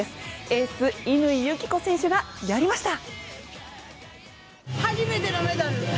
エース乾友紀子選手がやりました。